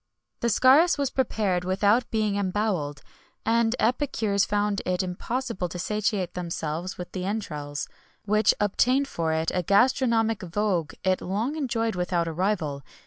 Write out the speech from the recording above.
The scarus was prepared without being embowelled, and epicures found it impossible to satiate themselves with the entrails,[XXI 90] which obtained for it a gastronomic vogue it long enjoyed without a rival.